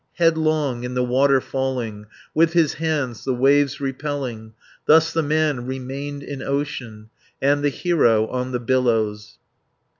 Headlong in the water falling, With his hands the waves repelling, Thus the man remained in ocean, And the hero on the billows.